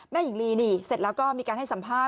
หญิงลีนี่เสร็จแล้วก็มีการให้สัมภาษณ